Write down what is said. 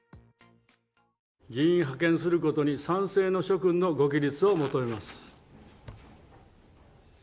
議員派遣することに賛成の諸君のご起立を求めます。